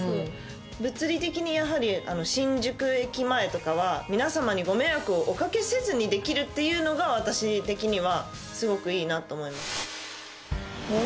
物理的にやはり新宿駅前とかは皆様にご迷惑をお掛けせずにできるっていうのが私的にはすごくいいなと思います。